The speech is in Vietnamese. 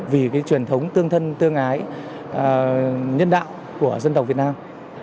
vì cái truyền thống tương thân tương ái nhân đạo của dân tộc việt nam